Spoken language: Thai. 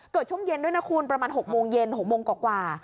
ช่วงเย็นด้วยนะคุณประมาณ๖โมงเย็น๖โมงกว่า